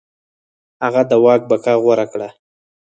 هغه د واک بقا غوره کړه.